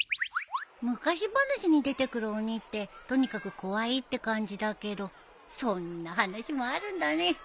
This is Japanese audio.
昔話に出てくる鬼ってとにかく怖いって感じだけどそんな話もあるんだね。